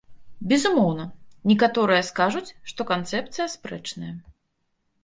Безумоўна, некаторыя скажуць, што канцэпцыя спрэчная.